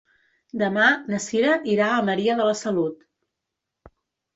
Demà na Cira irà a Maria de la Salut.